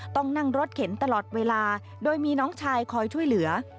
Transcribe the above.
ต้องนั่งรถเข็นตลอดเวลาโดยมีน้องชายคอยช่วยเหลือ